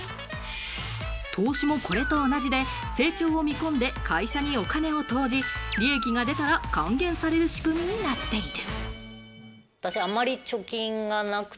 投資もこれと同じで成長を見込んで会社にお金を投じ、利益が出たら還元される仕組みになっている。